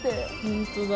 本当だ。